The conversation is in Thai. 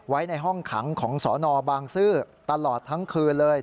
ไว้ในห้องขังของสนบางซื่อตลอดทั้งคืนเลย